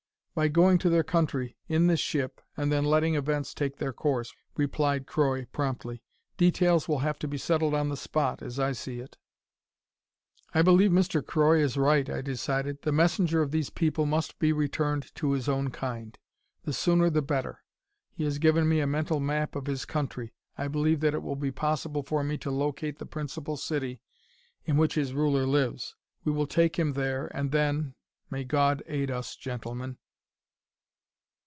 "By going to their country, in this ship, and then letting events take their course," replied Croy promptly. "Details will have to be settled on the spot, as I see it." "I believe Mr. Croy is right," I decided. "The messenger of these people must be returned to his own kind; the sooner the better. He has given me a mental map of his country; I believe that it will be possible for me to locate the principal city, in which his ruler lives. We will take him there, and then may God aid us gentlemen."